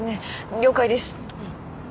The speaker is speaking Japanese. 了解です